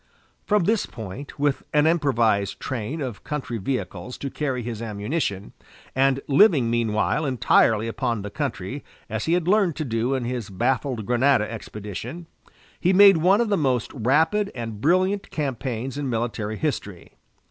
From this point, with an improvised train of country vehicles to carry his ammunition, and living meanwhile entirely upon the country, as he had learned to do in his baffled Grenada expedition, he made one of the most rapid and brilliant campaigns in military history.